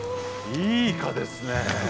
いいイカですね。